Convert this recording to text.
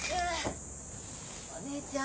お姉ちゃん